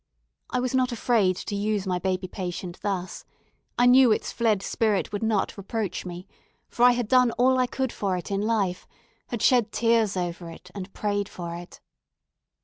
I was not afraid to use my baby patient thus. I knew its fled spirit would not reproach me, for I had done all I could for it in life had shed tears over it, and prayed for it.